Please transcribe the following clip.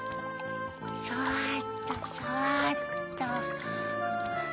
そっとそっと。